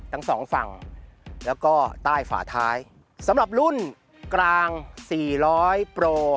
ทั้งสองฝั่งแล้วก็ใต้ฝาท้ายสำหรับรุ่นกลางสี่ร้อยโปร